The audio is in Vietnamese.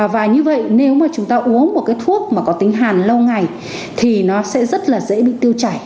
và như vậy nếu mà chúng ta uống một cái thuốc mà có tính hàn lâu ngày thì nó sẽ rất là dễ bị tiêu chảy